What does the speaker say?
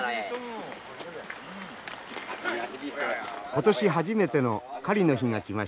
今年初めての狩りの日が来ました。